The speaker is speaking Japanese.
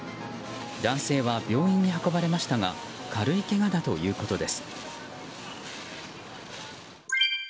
男性は病院に運ばれましたが軽いけがだということです。